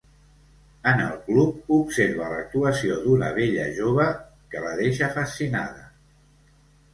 En el club observa l'actuació d'una bella jove que la deixa fascinada.